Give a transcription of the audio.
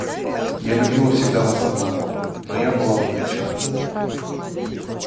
Я любила всегда вас одного, но я была увлечена.